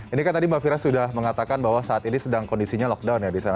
ini kan tadi mbak fira sudah mengatakan bahwa saat ini sedang kondisinya lockdown ya di sana